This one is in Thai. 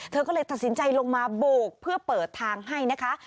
เธอก็เลยตัดสินใจลงมาโบกเพื่อเปิดทางให้นะคะ